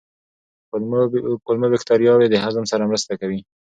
کولمو بکتریاوې د هضم سره مرسته کوي.